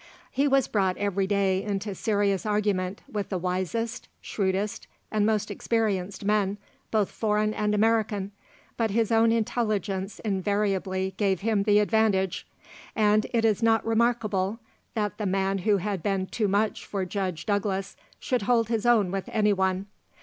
He was brought every day into serious argument with the wisest, shrewdest, and most experienced men, both foreign and American, but his own intelligence invariably gave him the advantage. And it is not remarkable that the man who had been too much for Judge Douglas should hold his own with any one.